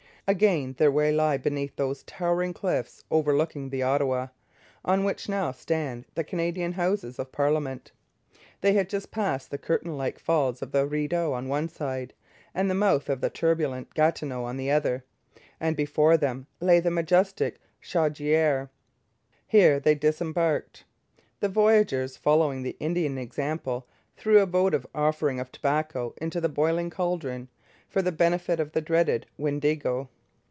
Again, their way lay beneath those towering cliffs overlooking the Ottawa, on which now stand the Canadian Houses of Parliament. They had just passed the curtain like falls of the Rideau on one side, and the mouth of the turbulent Gatineau on the other, and before them lay the majestic Chaudière. Here they disembarked. The voyageurs, following the Indian example, threw a votive offering of tobacco into the boiling cauldron, for the benefit of the dreaded Windigo.